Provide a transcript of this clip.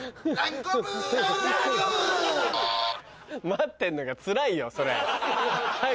待ってんのがつらいよそれ。